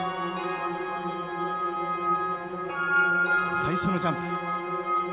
最初のジャンプ。